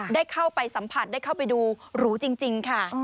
ได้เข้าไปสัมผัสได้เข้าไปดูหรูจริงค่ะ